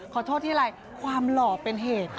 ขอโทษที่อะไรความหล่อเป็นเหตุ